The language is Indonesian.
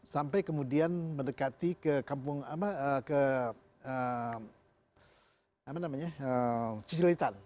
sampai kemudian mendekati ke kampung cililitan